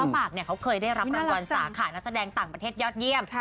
ปากเขาเคยได้รับรางวัลสาขานักแสดงต่างประเทศยอดเยี่ยม